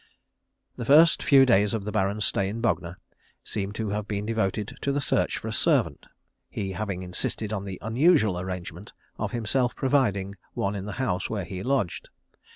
_ The first few days of the Baron's stay in Bognor seem to have been devoted to the search for a servant, he having insisted on the unusual arrangement of himself providing one in the house where he lodged.